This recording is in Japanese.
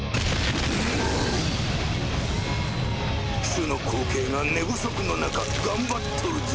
主の後継が寝不足の中頑張っとるぞ。